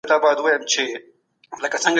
مثبت فکر پرمختګ نه زیانمنوي.